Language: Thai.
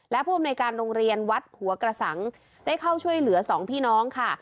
และผู้อำนวยการโรงเรียนวัดหัวกระสังได้เข้าช่วยเหลือสองพี่น้องค่ะ